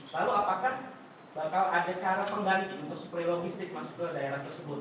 lalu apakah bakal ada cara kembali untuk suplai logistik masuk ke daerah tersebut